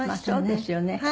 そうですよね。